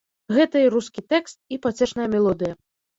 Гэта і рускі тэкст, і пацешная мелодыя.